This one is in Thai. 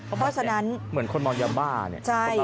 เพราะฉะนั้นเหมือนคนเมายาบ้าเนี่ย